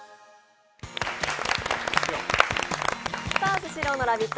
スシローのラヴィット！